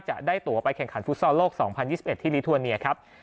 จะได้ตัวไปแข่งขันฟุตซอลโลก๒๐๒๑ที่ลิทัวเนียครับ